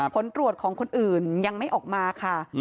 ผลตรวจของคนอื่นยังไม่ออกมาค่ะ